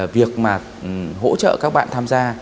việc mà hỗ trợ các bạn tham gia